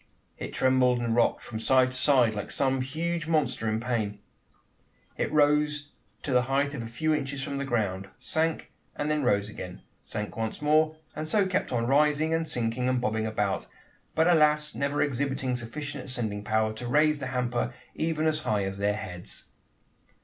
It trembled and rocked from side to side, like some huge monster in pain. It rose to the height of a few inches from the ground, sank, and then rose again, sank once more, and so kept on rising and sinking and bobbing about, but alas! never exhibiting sufficient ascending power, to raise the hamper even as high as their heads!